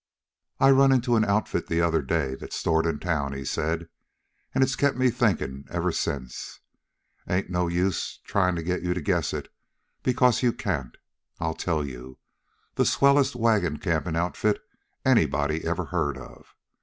"I run into an outfit the other day, that's stored in town," he said, "an' it's kept me thinkin' ever since. Ain't no use tryin' to get you to guess it, because you can't. I'll tell you the swellest wagon campin' outfit anybody ever heard of.